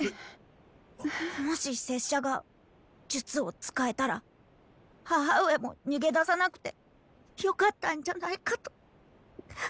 もし拙者が術を使えたら母上も逃げ出さなくてよかったんじゃないかと。